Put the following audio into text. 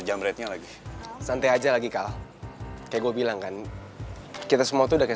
jam rednya lagi santai aja lagi kalau kayak gue bilang kan kita semua sudah